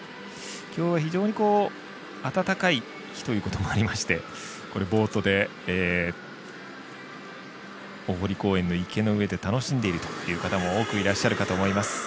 今日は非常に暖かい日ということもありましてボートで大濠公園の池の上で楽しんでいるという方も多くいらっしゃるかと思います。